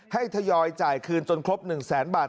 ทยอยจ่ายคืนจนครบ๑แสนบาท